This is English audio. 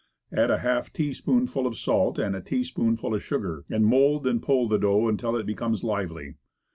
Add a half teaspoon ful of salt, and a teaspoonful of sugar, and mould and pull the dough until it becomes lively.